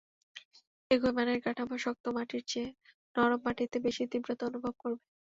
একই মানের কাঠামো শক্ত মাটির চেয়ে নরম মাটিতে বেশি তীব্রতা অনুভব করবে।